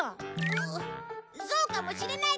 うっそうかもしれないけど！